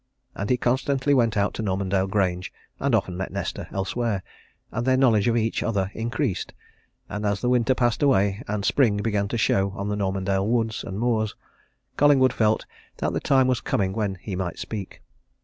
And he constantly went out to Normandale Grange, and often met Nesta elsewhere, and their knowledge of each other increased, and as the winter passed away and spring began to show on the Normandale woods and moors, Collingwood felt that the time was coming when he might speak.